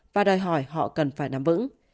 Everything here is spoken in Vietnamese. và đòi hỏi họ cần phải nắm vững